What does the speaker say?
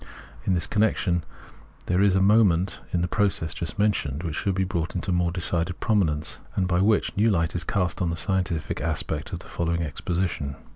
In this connection, there is a moment in the process just mentioned which should be brought into more decided prominence, and by which a new hght is cast on the scientific aspect of the following exposition.